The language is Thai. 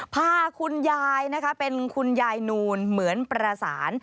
พาคุณยายนะคะเป็นคุณยายนูนเหมือนประสาน